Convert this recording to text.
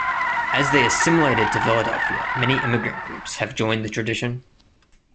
As they assimilated to Philadelphia, many immigrant groups have joined the tradition.